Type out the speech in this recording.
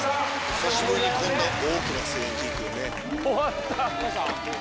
久しぶりにこんな大きな声援聞くよね。